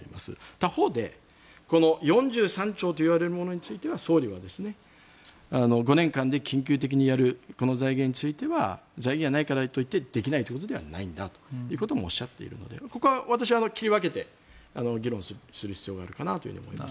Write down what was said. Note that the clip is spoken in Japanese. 他方で、この４３兆といわれるものについては総理は５年間で緊急的にやるこの財源については財源がないからといってできないということではないんだということもおっしゃっているのでここは私は切り分けて議論する必要があるかなと思います。